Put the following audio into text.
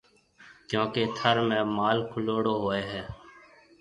ڪيونڪہ ٿر ۾ مال کُليوڙو ھوئيَ ھيََََ